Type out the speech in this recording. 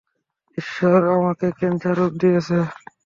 ঈশ্বর আমাকে ক্যান্সার রোগ দিয়েছে?